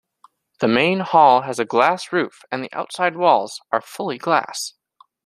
The main hall has a glass roof and the outside walls are fully glass.